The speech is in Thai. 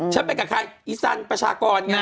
ฉันไปกับใครอีสันประชากร